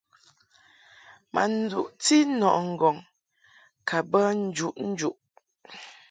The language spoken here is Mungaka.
Ma duʼti nɔʼɨ ŋgɔŋ ka bə njuʼnjuʼ.